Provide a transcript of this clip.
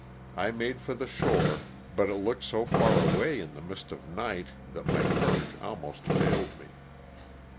I made for the shore, but it looked so far away in the mist of night that my courage almost failed me.